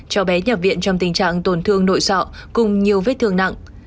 cho bé nhập viện trong tình trạng tổn thương nội sọ cùng nhiều vết thương nặng